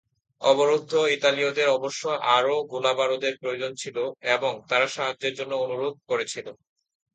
অবরুদ্ধ ইতালীয়দের অবশ্য আরও গোলাবারুদের প্রয়োজন ছিল এবং তারা সাহায্যের জন্য অনুরোধ করেছিল।